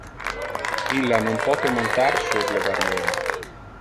Illa non pote montar sur le barriera.